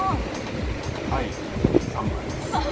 はい３番です。